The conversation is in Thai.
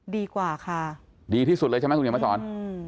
ดีกว่าค่ะดีที่สุดเลยใช่ไหมคุณเห็นมาสอน